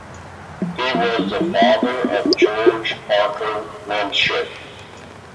He was the father of George Parker Winship.